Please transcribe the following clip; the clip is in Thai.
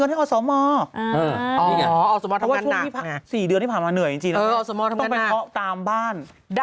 เออที่มันต้องไปอ๊อกตามบ้าน